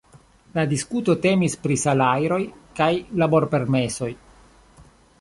La diskuto temis pri salajroj kaj laborpermesoj.